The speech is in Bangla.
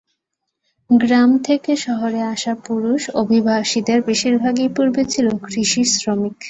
গ্রাম থেকে শহরে আসা পুরুষ অভিবাসীদের বেশিরভাগই পূর্বে ছিল কৃষিশ্রমিক।